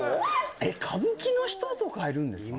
えっ歌舞伎の人とかいるんですか？